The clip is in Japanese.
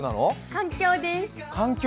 環境です。